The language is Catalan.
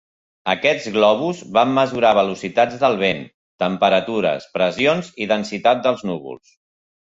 Aquests globus van mesurar velocitats del vent, temperatures, pressions i densitat dels núvols.